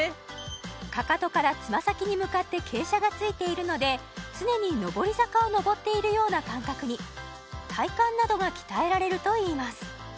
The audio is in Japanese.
かかとからつま先に向かって傾斜がついているので常に上り坂を上っているような感覚に体幹などが鍛えられるといいます